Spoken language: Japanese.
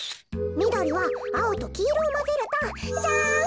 みどりはあおときいろをまぜるとジャン。